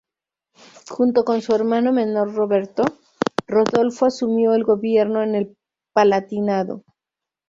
Junto con su hermano menor Roberto, Rodolfo asumió el gobierno en el Palatinado.